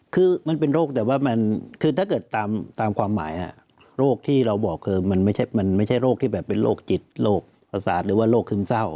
คือมันเป็นโรคแต่ว่ามันคือถ้าเกิดตามความหมายโรคที่เราบอกคือมันไม่ใช่โรคที่แบบเป็นโรคจิตโรคประสาทหรือว่าโรคซึมเศร้า